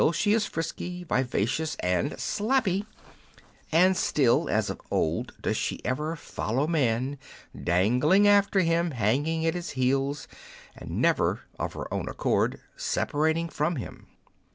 she is frisky, vivacious, and slappy ; and still, as of old, does she ever follow man, dangling after him, hanging at his heels, and never, of her own accord, separating from him.